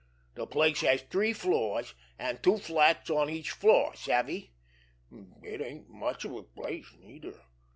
De place has three floors, an' two flats on each floor, savvy? It ain't much of a place, neither.